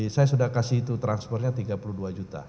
saya sudah kasih itu transfernya tiga puluh dua juta